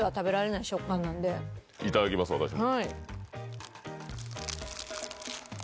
いただきます私も。